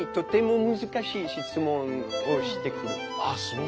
ああそう。